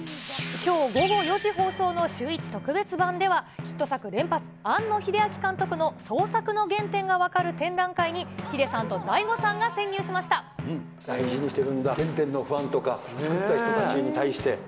きょう午後４時放送のシューイチ特別版では、ヒット作連発、庵野秀明監督の創作の原点が分かる展覧会にヒデさんとＤＡＩＧＯ大事にしてるんだ、原点のファンとか、作った人たちに対して。